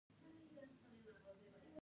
له بلې خوا زموږ کلتور یوه غني برخه جوړوي.